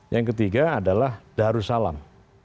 yang ketiga adalah darussalam